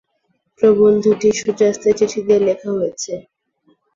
প্রবন্ধটি "সূর্যাস্তের চিঠি" দিয়ে লেখা হয়েছে।